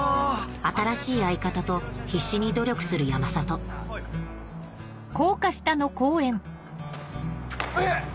新しい相方と必死に努力する山里えっ！